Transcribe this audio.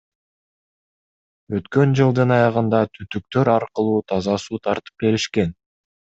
Өткөн жылдын аягында түтүктөр аркылуу таза суу тартып беришкен.